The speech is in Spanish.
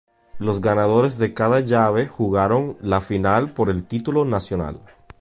Los ganadores de cada llave jugaron la final por el "Título Nacional".